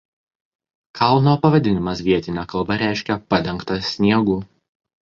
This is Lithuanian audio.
Kalno pavadinimas vietine kalba reiškia „padengtas sniegu“.